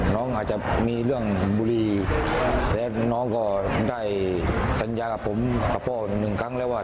น้องอาจจะมีเรื่องบุรีและน้องก็ได้สัญญากับผมกับพ่อหนึ่งครั้งแล้วว่า